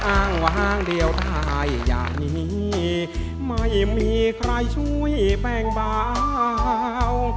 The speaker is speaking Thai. อ้างวางเดียวได้อย่างนี้ไม่มีใครช่วยแป้งเบา